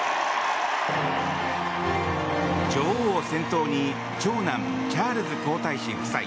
女王を先頭に長男チャールズ皇太子夫妻